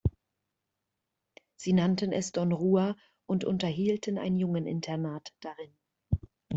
Sie nannten es "Don Rua" und unterhielten ein Jungeninternat darin.